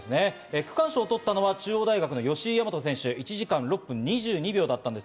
区間賞を取ったのは中央大学・吉居大和選手、１時間６分２２秒でした。